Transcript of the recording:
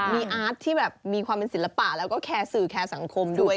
มีอาร์ตที่แบบมีความเป็นศิลปะแล้วก็แคร์สื่อแคร์สังคมด้วย